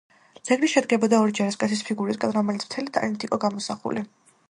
ძეგლი შედგებოდა ორი ჯარისკაცის ფიგურისაგან, რომელიც მთელი ტანით იყო გამოსახული.